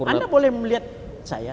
anda boleh melihat saya